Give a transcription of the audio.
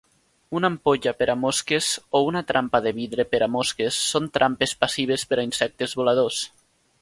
Una ampolla per a mosques o una trampa de vidre per a mosques són trampes passives per a insectes voladors.